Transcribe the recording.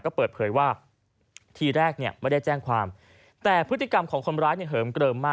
ก็เปิดเผยว่าทีแรกเนี่ยไม่ได้แจ้งความแต่พฤติกรรมของคนร้ายเนี่ยเหิมเกลิมมาก